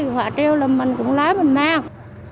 họ treo là mình cũng lấy mình mang